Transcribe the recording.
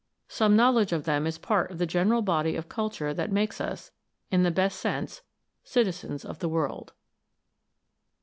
Some knowledge of them is part of the general body of culture that makes us, in the best sense, citizens of the world.